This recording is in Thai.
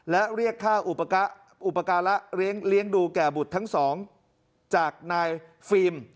และเรียกค่าอุปการะเลี้ยงดูแก่บุตรทั้งสองจากนายฟิล์ม